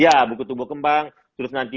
ya buku tumbuh kembang terus nanti